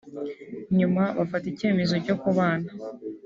nyuma bafata icyemezo cyo kubana